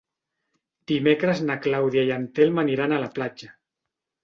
Dimecres na Clàudia i en Telm aniran a la platja.